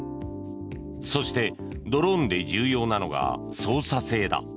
そしてドローンで重要なのが操作性だ。